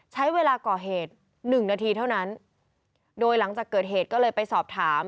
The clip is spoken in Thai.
ใช้เวลาก่อเหตุหนึ่งนาทีเท่านั้นโดยหลังจากเกิดเหตุก็เลยไปสอบถาม